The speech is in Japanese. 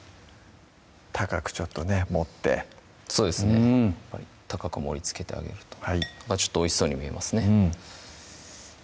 高くちょっとね盛ってそうですね高く盛りつけてあげるとおいしそうに見えますね